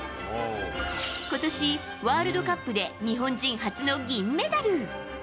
今年、ワールドカップで日本人初の銀メダル。